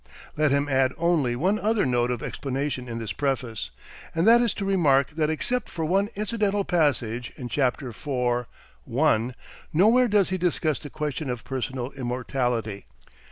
Let him add only one other note of explanation in this preface, and that is to remark that except for one incidental passage (in Chapter IV., 1), nowhere does he discuss the question of personal immortality.